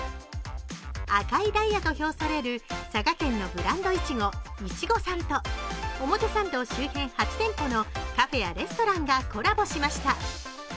赤いダイヤと評される佐賀県のブランドいちご、いちごさんと表参道周辺８店舗のカフェやレストランがコラボしました。